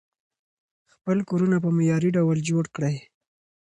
خپل کورونه په معیاري ډول جوړ کړئ.